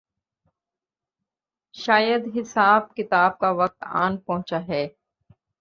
شاید حساب کتاب کا وقت آن پہنچا ہے۔